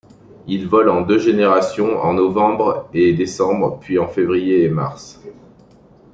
Il vole en deux générations en novembre et décembre puis en février et mars.